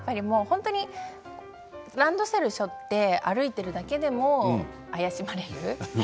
ランドセルをしょって歩いているだけでも怪しまれる。